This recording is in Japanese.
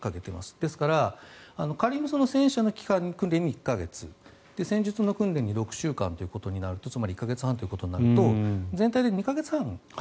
ですから、仮にその戦車の訓練に１か月戦術の訓練に６週間ということになってつまり１か月半ということになると全体で２か月半。